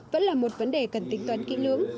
vẫn là một vấn đề cần tính toán kỹ lưỡng